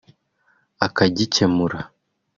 akagikemura